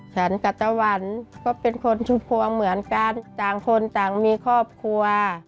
ฉันกับตะวันก็เป็นคนชุมพวงเหมือนกันต่างคนต่างมีครอบครัว